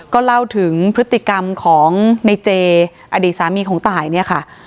ก็เล่าถึงพฤติกรรมของในเจอดีตสามีของตายเนี่ยค่ะ